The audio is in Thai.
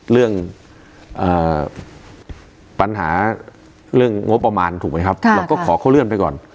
เรื่องปัญหาเรื่องงบประมาณถูกไหมครับเราก็ขอเขาเลื่อนไปก่อน